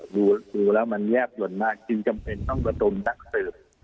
ดูแล้วมันแยกหล่นมากจึงจำเป็นต้องกระตุมนักเสิร์ฟ